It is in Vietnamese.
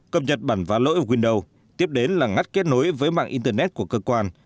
cập nhật bản và lỗi của windows tiếp đến là ngắt kết nối với mạng internet của cơ quan